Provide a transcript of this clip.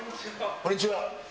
こんにちは。